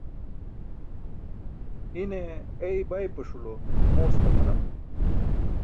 ine ei baybaṣulo moostaqanam